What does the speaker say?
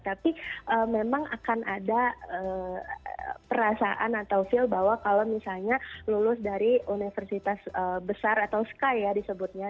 tapi memang akan ada perasaan atau feel bahwa kalau misalnya lulus dari universitas besar atau sky ya disebutnya